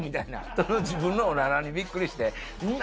その自分のおならにびっくりして、何？